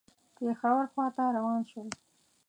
پېښور خواته روان شول.